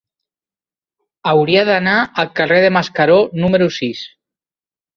Hauria d'anar al carrer de Mascaró número sis.